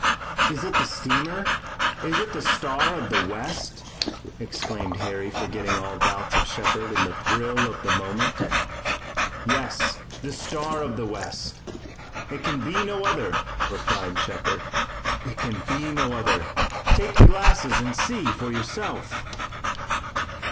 "Is it the steamer? Is it the Star of the West?" exclaimed Harry forgetting all doubts of Shepard in the thrill of the moment. "Yes, the Star of the West! It can be no other!" replied Shepard. "It can be no other! Take the glasses and see for yourself!"